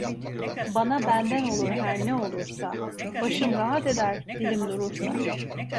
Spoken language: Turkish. Bana benden olur her ne olursa, başım rahat eder dilim durursa